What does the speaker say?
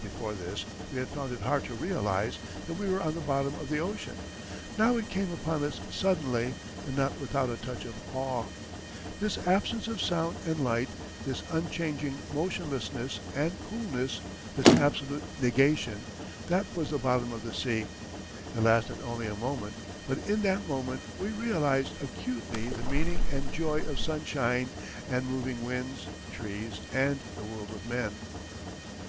Before this, we had found it hard to realize that we were on the bottom of the ocean; now it came upon us suddenly and not without a touch of awe. This absence of sound and light, this unchanging motionlessness and coolness, this absolute negation that was the bottom of the sea. It lasted only a moment, but in that moment we realized acutely the meaning and joy of sunshine and moving winds, trees, and the world of men.